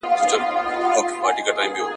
زه له سهاره سبزیجات وچوم